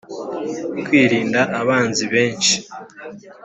Kwirinda abanzi benshi